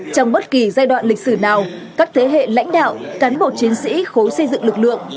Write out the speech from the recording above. trong bất kỳ giai đoạn lịch sử nào các thế hệ lãnh đạo cán bộ chiến sĩ khối xây dựng lực lượng